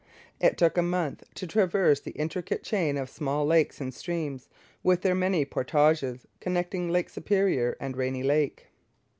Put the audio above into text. It took a month to traverse the intricate chain of small lakes and streams, with their many portages, connecting Lake Superior and Rainy Lake.